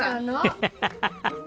ハハハハハ！